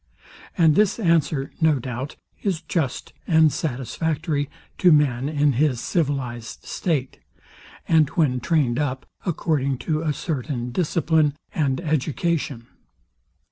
And this answer, no doubt, is just and satisfactory to man in his civilized state, and when trained up according to a certain discipline and education.